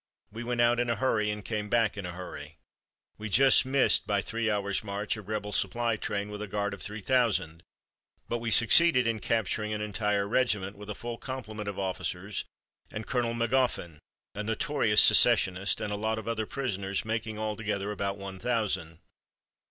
We went out in a hurry and came back in a hurry. We just missed by three hours' march a rebel supply train with a guard of three thousand: but we succeeded in capturing an entire regiment, with a full complement of officers, and Colonel Magoffin, a notorious secessionist, and a lot of other prisoners, making altogether about one thousand.